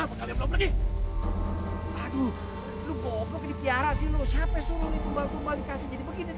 aduh lu bobek dipiarasi lu siapa suruh